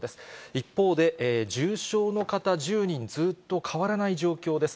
一方で、重症の方１０人、ずっと変わらない状況です。